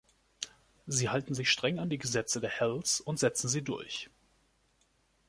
Sie halten sich streng an die Gesetze der Hells und setzen sie durch.